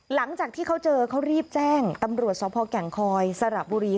หลังจากที่เขาเจอเขารีบแจ้งตำรวจสพแก่งคอยสระบุรี